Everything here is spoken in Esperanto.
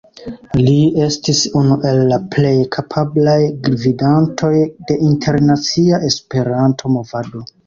Li estis unu el la plej kapablaj gvidantoj de internacia Esperanto-movado.